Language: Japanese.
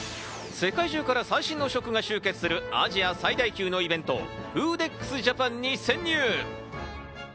世界中から最新の食が集結するアジア最大級のイベント、フーデックスジャパンに潜入。